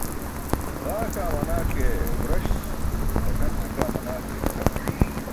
Ġaa kaa manaa ke ġuras gasance kaa manaa ke ćʰap.